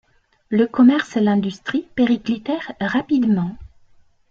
Le commerce et l'industrie périclitèrent rapidement.